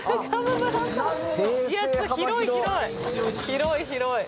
広い広い。